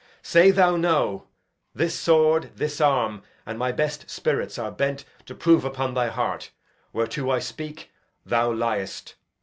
Say thou 'no,' This sword, this arm, and my best spirits are bent To prove upon thy heart, whereto I speak, Thou liest.